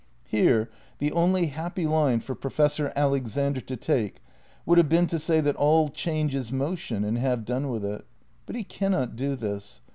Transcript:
Here the only happy line for Professor Alexander to take would have been to say that all change is motion and have done with it. But he can not do this.